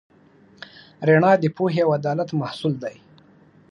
رڼا د پوهې او عدالت محصول دی.